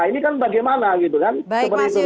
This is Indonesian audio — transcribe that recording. ini kan bagaimana gitu kan